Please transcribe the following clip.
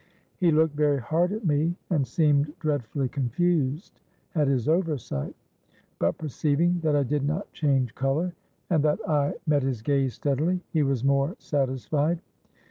'—He looked very hard at me, and seemed dreadfully confused at his oversight; but, perceiving that I did not change colour, and that I met his gaze steadily, he was more satisfied.